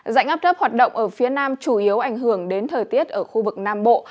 dạnh áp thấp hoạt động ở phía nam chủ yếu ảnh hưởng đến thời tiết ở khu vực nam bộ